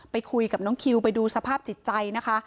ไปคุยกับน้องคิวไปดูสภาพจิตใจนะคะ